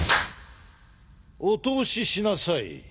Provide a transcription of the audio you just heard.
お通ししなさい。